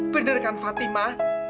bener kan fatima